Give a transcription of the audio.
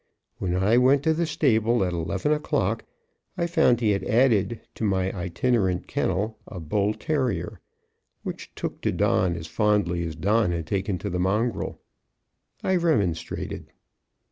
When I went to the stable at eleven o'clock, I found he had added to my itinerant kennel a bull terrier, which took to Don as fondly as Don had taken to the mongrel. I remonstrated.